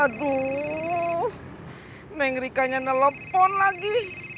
aduh neng rika nya telepon lagi